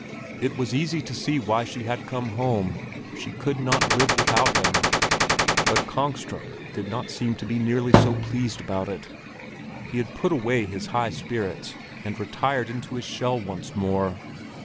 It was easy to see why she had come home; she could not live without him! But Kongstrup did not seem to be nearly so pleased about it. He had put away his high spirits and retired into his shell once more.